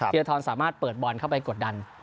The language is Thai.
ทีละทรสามารถเปิดบอลเข้าไปกดดัน